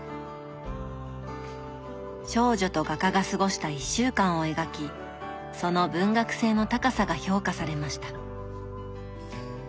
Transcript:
少女と画家が過ごした１週間を描きその文学性の高さが評価されました。